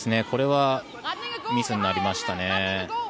これはミスになりましたね。